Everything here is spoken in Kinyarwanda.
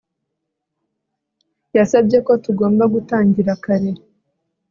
Yasabye ko tugomba gutangira kare